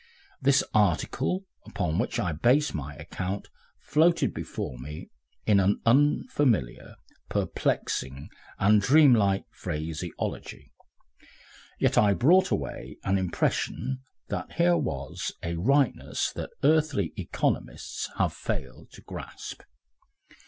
This article upon which I base my account floated before me in an unfamiliar, perplexing, and dream like phraseology. Yet I brought away an impression that here was a rightness that earthly economists have failed to grasp.